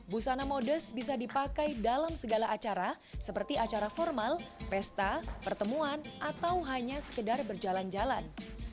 busana modest bisa dipakai dalam segala acara seperti acara formal pesta pertemuan atau hanya sekedar berjalan jalan